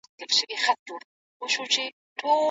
د قبیلو ترمنځ د اړيکو بزګر دی.